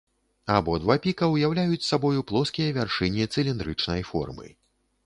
Абодва піка ўяўляюць сабою плоскія вяршыні цыліндрычнай формы.